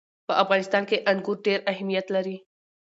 په افغانستان کې انګور ډېر اهمیت لري.